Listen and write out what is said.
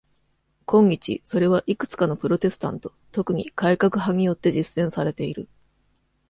今日、それはいくつかのプロテスタント、特に改革派によって実践されている。